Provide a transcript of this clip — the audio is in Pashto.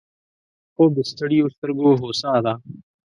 خوب د ستړیو سترګو هوسا ده